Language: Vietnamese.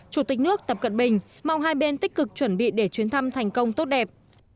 chủ tịch nước tập cận bình mong hai bên tích cực chuẩn bị để chuyến thăm thành công tốt đẹp